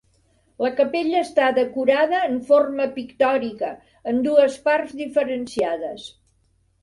La capella està decorada en forma pictòrica en dues parts diferenciades.